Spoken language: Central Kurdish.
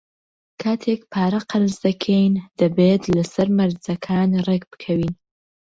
کاتێک پارە قەرز دەکەین، دەبێت لەسەر مەرجەکان ڕێکبکەوین.